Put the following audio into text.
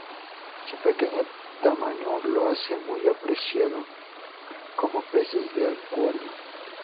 Su pequeño tamaño lo hace muy apreciado como peces de acuario.